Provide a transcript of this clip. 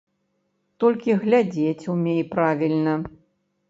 Толькі глядзець умей правільна.